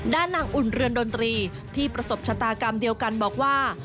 ด้านนางอุ่นเรือนดนตรีที่ประสบชะตากรรมเดียวกันบอกว่า